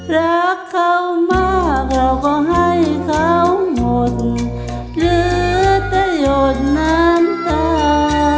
รักเขามากเราก็ให้เขาหมดเหลือแต่หยดน้ำตา